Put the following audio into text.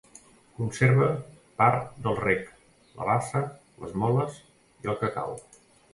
Conserva part del rec, la bassa, les moles i el cacau.